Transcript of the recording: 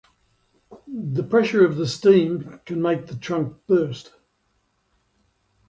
The pressure of the steam can make the trunk burst.